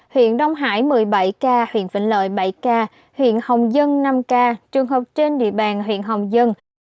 huyện đông hải một mươi bảy ca huyện vĩnh lợi bảy ca huyện hồng dân năm ca trường học trên địa bàn huyện hồng dân